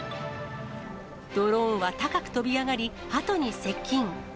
ドローンは高く飛び上がり、ハトに接近。